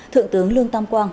thượng tướng lương tam quang